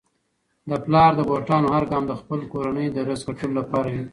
د پلار د بوټانو هر ګام د خپلې کورنی د رزق ګټلو لپاره وي.